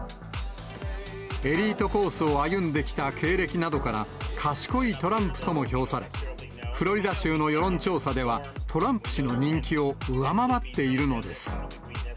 エリートコースを歩んできた経歴などから、賢いトランプとも評され、フロリダ州の世論調査では、トランプ氏の人気を上回っているのです。